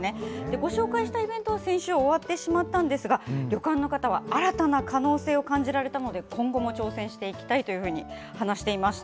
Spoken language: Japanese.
ご紹介したイベントは先週終わってしまったんですが、旅館の方は新たな可能性を感じられたので、今後も挑戦していきたいというふうに話していました。